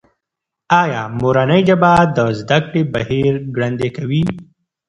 ایا مورنۍ ژبه د زده کړې بهیر ګړندی کوي؟